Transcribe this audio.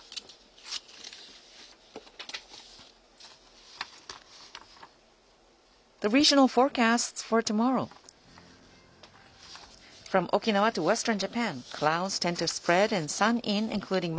そうですね。